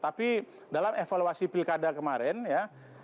tapi dalam evaluasi pilkada kemarin ya